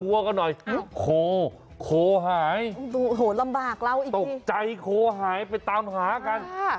กลัวกันหน่อยโคโคหายโหลำบากแล้วอีกทีตกใจโคหายไปตามหากันอ่า